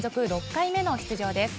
６回目の出場です。